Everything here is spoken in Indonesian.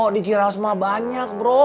dicirasma banyak bro